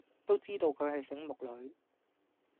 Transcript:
都知道佢係醒目女